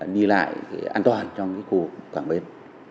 đi lại an toàn trong khu quảng biển